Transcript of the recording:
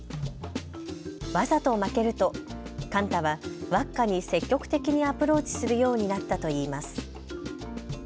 わざと負けると、カンタはワッカに積極的にアプローチするようになったといいます。